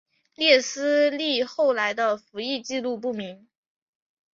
列斯利后来的服役纪录不明。